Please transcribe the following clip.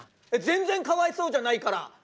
全然かわいそうじゃないから。